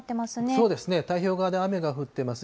そうですね、太平洋側で雨が降っています。